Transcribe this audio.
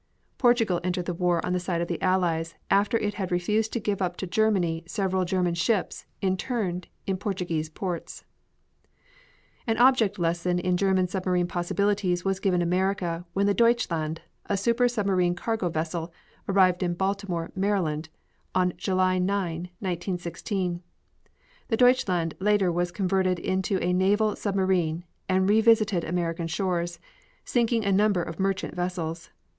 Portugal entered the war on the side of the Allies after it had refused to give up to Germany several German ships interned in Portuguese ports. An object lesson in German submarine possibilities was given America when the Deutschland, a super submarine cargo vessel, arrived in Baltimore, Maryland, on July 9, 1916. The Deutschland later was converted into a naval submarine and re visited American shores, sinking a number of merchant vessels.